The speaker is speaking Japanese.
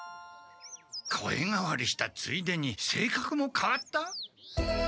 声変わりしたついでにせいかくもかわった？